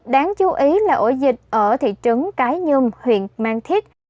đáng chú ý là ổ dịch ở thị trấn cái nhung huyện mang thít